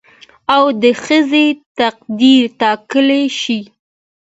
او د ښځې تقدير ټاکلى شي